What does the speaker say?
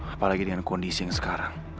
apalagi dengan kondisi yang sekarang